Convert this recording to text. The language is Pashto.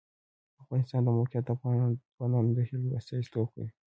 د افغانستان د موقعیت د افغان ځوانانو د هیلو استازیتوب کوي.